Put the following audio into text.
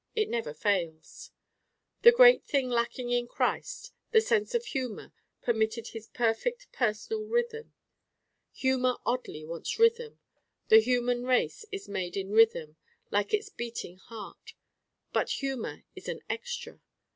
It never fails. The great thing lacking in Christ, the sense of humor, permitted his perfect personal Rhythm. Humor oddly wants Rhythm. The human race is made in Rhythm like its beating heart: but humor is an 'extra.